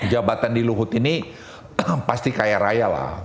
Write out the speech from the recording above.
jabatan di luhut ini pasti kaya raya lah